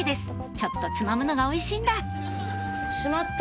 ちょっとつまむのがおいしいんだしまった！